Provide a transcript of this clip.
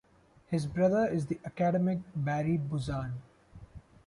His brother is the academic Barry Buzan.